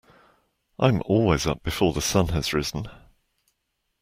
I'm always up before the sun has risen.